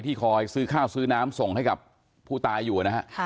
คอยซื้อข้าวซื้อน้ำส่งให้กับผู้ตายอยู่นะฮะ